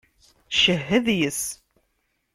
Cehhed yes-s!